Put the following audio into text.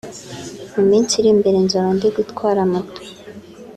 mu minsi iri imbere nzaba ndi gutwara moto